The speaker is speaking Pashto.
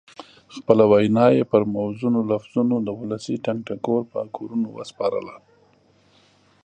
خپله وینا یې پر موزونو لفظونو د ولسي ټنګ ټکور په کورونو وسپارله.